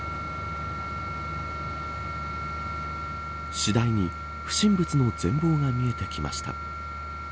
次第に、不審物の全貌が見えてきました。